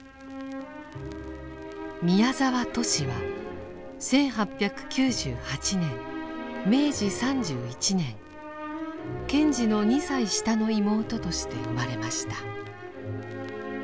宮沢トシは１８９８年明治３１年賢治の２歳下の妹として生まれました。